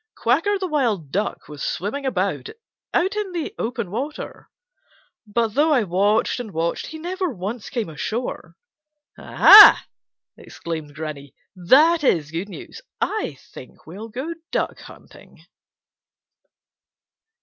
Quacker the Wild Duck was swimming about out in the open water, but though I watched and watched he never once came ashore." "Ha!" exclaimed Granny. "That is good news. I think we'll go Duck hunting."